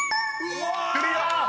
［クリア！］